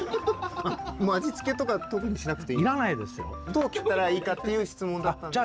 どう切ったらいいかっていう質問だったんですけど。